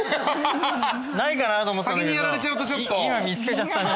先にやられちゃうとちょっと。